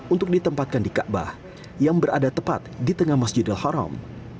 untuk ditempatkan di ka'bah yang berada tepat di tengah masjid al haram